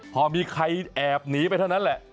พอมีใครแอบหนีไปเท่านั้นแหละ